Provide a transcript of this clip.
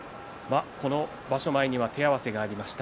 場所前には手合わせがありました。